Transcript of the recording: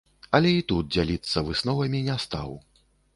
Але і тут дзяліцца высновамі не стаў.